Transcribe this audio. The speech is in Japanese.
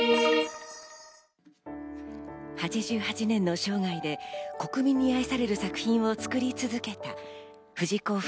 ８８年の生涯で国民に愛される作品を作り続けた藤子